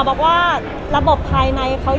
สวัสดีค่ะ